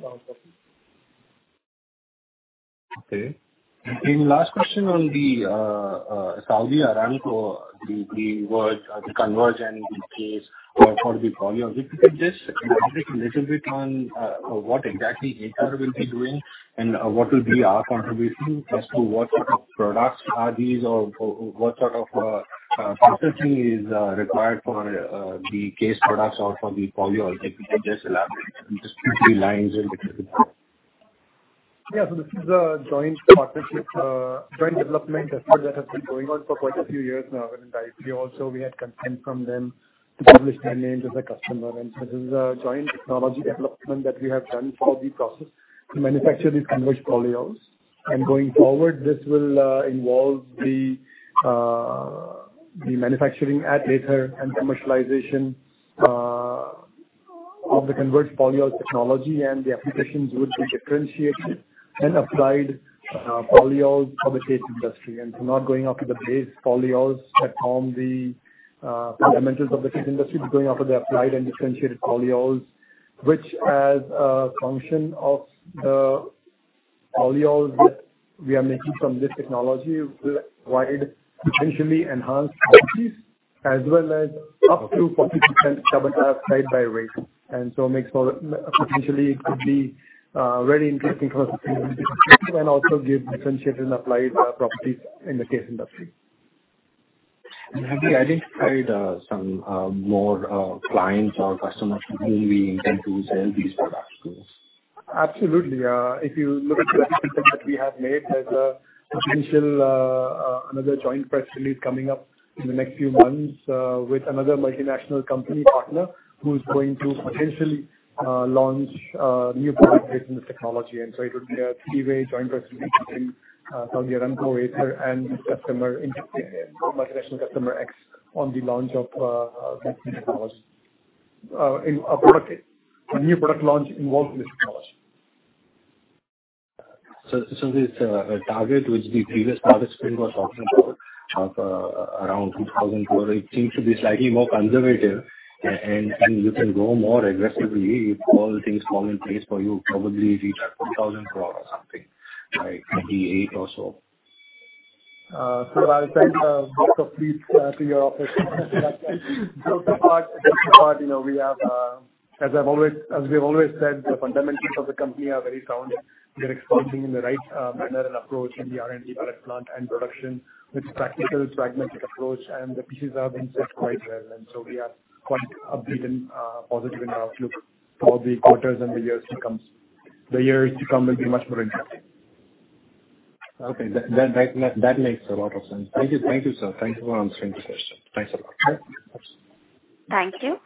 Speaker 19: Okay. And last question on the Saudi Aramco, the convergence case, or for the PolyOrbit. If you could just elaborate a little bit on what exactly Aether will be doing and what will be our contribution as to what sort of products are these or what sort of consulting is required for the case products or for the PolyOrbit. If you could just elaborate just two or three lines a little bit.
Speaker 4: Yeah. So this is a joint partnership, joint development effort that has been going on for quite a few years now. And I feel also we had consent from them to publish their name as a customer. And so this is a joint technology development that we have done for the process to manufacture these Converge polyols. And going forward, this will involve the manufacturing at Aether and commercialization of the Converge polyol technology. And the applications would be differentiated and applied Polyol for the CASE industry. And so not going after the base Polyol that form the fundamentals of the CASE industry, but going after the applied and differentiated Polyols, which as a function of the Polyol that we are making from this technology will provide potentially enhanced properties as well as up to 40% carbon dioxide by weight. And so potentially, it could be very interesting for us to see and also give differentiated and applied properties in the CASE industry.
Speaker 19: Have you identified some more clients or customers to whom we intend to sell these products to?
Speaker 4: Absolutely. If you look at the presentation that we have made, there's potentially another joint press release coming up in the next few months with another multinational company partner who is going to potentially launch new products based on this technology. And so it would be a three-way joint press release between Saudi Aramco, Aether, and multinational customer X on the launch of this new product launch involved in this technology.
Speaker 19: So this target, which the previous participant was talking about, of around 2,000 crore, it seems to be slightly more conservative. And you can go more aggressively. If all things fall in place for you, probably reach up to 1,000 crore or something, right? Maybe 800 or so.
Speaker 4: So I'll send a book of leads to your office. The good part, the good part, we have as we have always said, the fundamentals of the company are very sound. They're expanding in the right manner and approach in the R&D pilot plant and production with a practical, pragmatic approach. And the pieces have been set quite well. And so we are quite upbeat and positive in our outlook for the quarters and the years to come. The years to come will be much more interesting.
Speaker 19: Okay. That makes a lot of sense. Thank you. Thank you, sir. Thank you for answering the question. Thanks a lot.
Speaker 1: Thank you.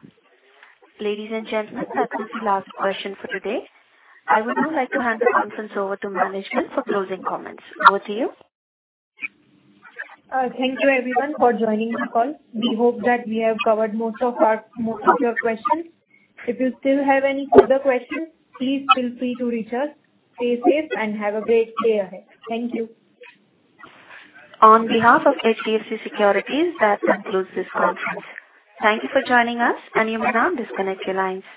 Speaker 1: Ladies and gentlemen, that's the last question for today. I would now like to hand the conference over to management for closing comments. Over to you.
Speaker 3: Thank you, everyone, for joining the call. We hope that we have covered most of your questions. If you still have any further questions, please feel free to reach us. Stay safe, and have a great day ahead. Thank you.
Speaker 1: On behalf of HDFC Securities, that concludes this conference. Thank you for joining us. You may now disconnect your lines.